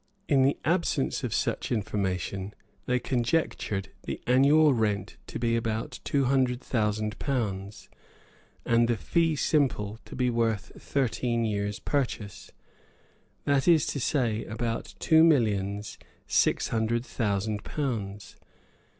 In the absence of such information they conjectured the annual rent to be about two hundred thousand pounds, and the fee simple to be worth thirteen years' purchase, that is to say, about two millions six hundred thousand pounds.